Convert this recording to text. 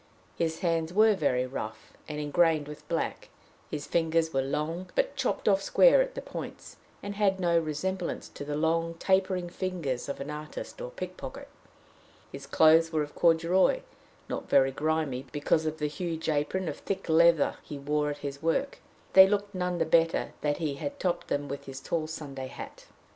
His hands were very rough and ingrained with black; his fingers were long, but chopped off square at the points, and had no resemblance to the long, tapering fingers of an artist or pickpocket. His clothes were of corduroy, not very grimy, because of the huge apron of thick leather he wore at his work, but they looked none the better that he had topped them with his tall Sunday hat.